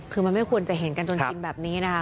คือมันไม่ควรจะเห็นกันจนชินแบบนี้นะคะ